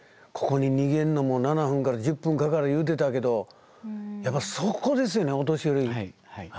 ここに逃げるのも７分から１０分かかる言うてたけどやっぱそこですよねお年寄り。